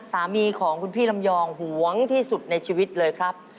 สามีของคุณพี่ลำยองหวงที่สุดในชีวิตเลยครับ